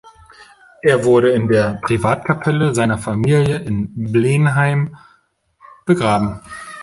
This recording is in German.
Er wurde in der Privatkapelle seiner Familie in Blenheim begraben.